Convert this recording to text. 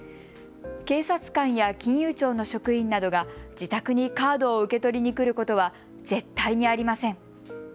警察官や金融庁の職員などが自宅にカードを受け取りに来ることは絶対にありません。